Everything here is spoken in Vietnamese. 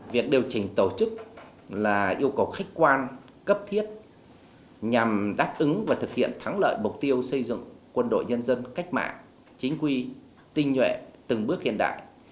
việc điều chỉnh tổ chức là yêu cầu khách quan cấp thiết nhằm đáp ứng và thực hiện thắng lợi mục tiêu xây dựng quân đội nhân dân cách mạng chính quy tinh nhuệ từng bước hiện đại